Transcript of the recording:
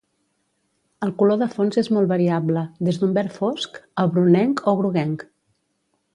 El color de fons és molt variable: des d'un verd fosc a brunenc o groguenc.